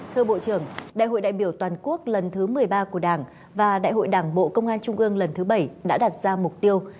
thưa bộ trưởng đại hội đại biểu toàn quốc lần thứ một mươi ba của đảng và đại hội đảng bộ công an trung ương lần thứ bảy đã đặt ra mục tiêu